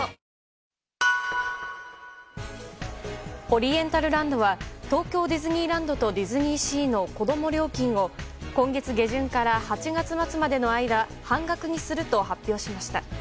オリエンタルランドは東京ディズニーランドとディズニーシーの子供料金を今月下旬から８月間末までの間半額にすると発表しました。